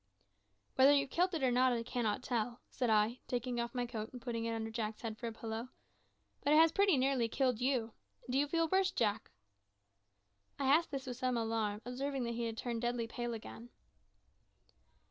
"Whether you've killed it or not I cannot tell," said I, taking off my coat and putting it under Jack's head for a pillow, "but it has pretty nearly killed you. Do you feel worse, Jack?" I asked this in some alarm, observing that he had turned deadly pale again.